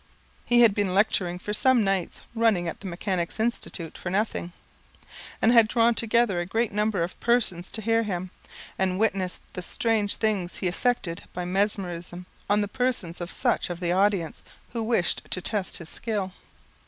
He had been lecturing for some nights running at the Mechanics' Institute for nothing; and had drawn together a great number of persons to hear him, and witness the strange things he effected by mesmerism on the persons of such of the audience, who wished to test his skill.